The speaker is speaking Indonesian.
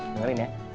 dengar ini ya